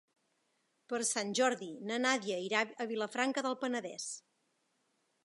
Per Sant Jordi na Nàdia irà a Vilafranca del Penedès.